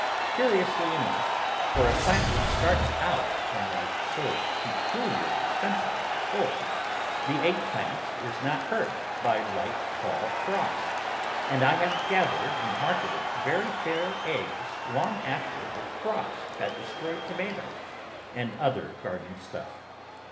Curiously enough, for a plant which starts out [ 123 ] THE VEGETABLE GARDEN in life so peculiarly sensitive to cold, the egg plant is not hurt by light fall frost, and I have gathered and marketed very fair eggs long after the frost had destroyed tomatoes and other garden stuff.